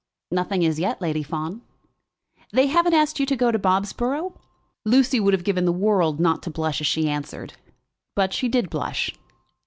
"Nothing as yet, Lady Fawn." "They haven't asked you to go to Bobsborough?" Lucy would have given the world not to blush as she answered, but she did blush.